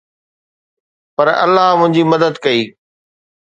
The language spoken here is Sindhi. پر الله منهنجي مدد ڪئي